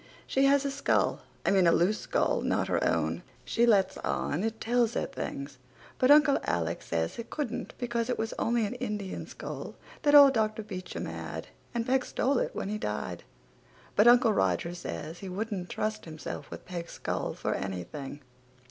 She has a skull. I mean a loose skull, not her own. She lets on it tells her things, but Uncle Alec says it couldn't because it was only an Indian skull that old Dr. Beecham had and Peg stole it when he died, but Uncle Roger says he wouldn't trust himself with Peg's skull for anything.